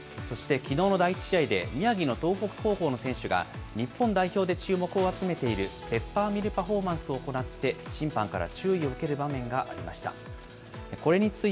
そしてきのうの第１試合で、宮城の東北高校の選手が日本代表で注目を集めているペッパーミル・パフォーマンスを行って、審判から注意を受ける場面がありました。